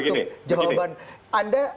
untuk jawaban anda